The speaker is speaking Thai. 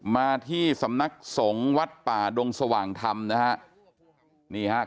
มาที่สำนักสงฆ์วัดป่าดงสว่างธรรมนะฮะนี่ฮะ